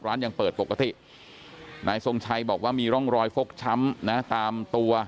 ร้านยังเปิดปกตินายทรงชัยบอกว่ามีร่องรอยฟกช้ำนะตามตัว